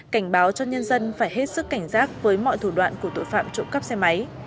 cảnh báo cho nhân dân phải hết sức cảnh giác với mọi thủ đoạn của tội phạm trộm cắp xe máy